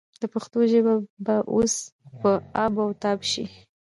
د پښتو ژبه به اوس په آب و تاب شي.